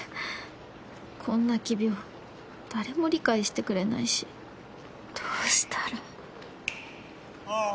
こんな奇病誰も理解してくれないしどうしたら・・ああ。